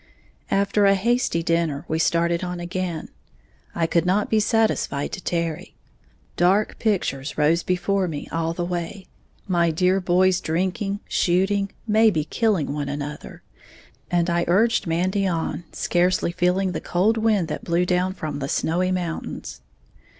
After a hasty dinner, we started on again, I could not be satisfied to tarry. Dark pictures rose before me all the way, my dear boys drinking, shooting, maybe killing one another and I urged Mandy on, scarcely feeling the cold wind that blew down from the snowy mountains.